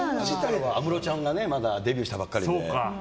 安室ちゃんがまだデビューしたばっかりで。